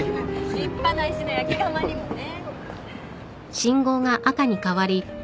立派な石の焼き窯にもね。